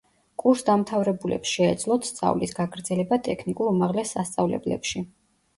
კურსდამთავრებულებს შეეძლოთ სწავლის გაგრძელება ტექნიკურ უმაღლეს სასწავლებლებში.